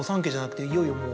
いよいよもう。